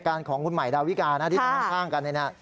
ข้างกันเนี้ยนะครับ